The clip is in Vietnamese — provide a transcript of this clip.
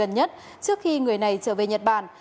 trong ba ngày gần nhất trước khi người này trở về nhật bản